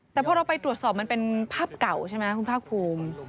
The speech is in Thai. แต่พอเราไปตรวจสอบมันเป็นภาพเก่าใช่ไหมคุณภาคภูมิ